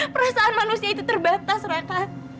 perasaan manusia itu terbatas raka